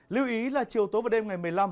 lưu ý là chiều tối và đêm ngày một mươi năm